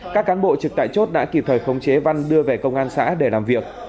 các cán bộ trực tại chốt đã kịp thời khống chế văn đưa về công an xã để làm việc